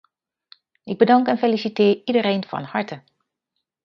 Ik bedank en feliciteer iedereen van harte.